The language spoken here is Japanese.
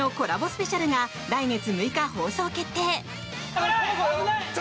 スペシャルが来月６日放送決定！